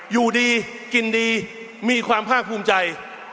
อยู่ดีกินดีมีความภาคภูมิใจ